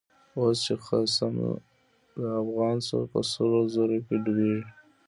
اوس چی خصم د افغان شو، په سرو زرو کی ډوبيږی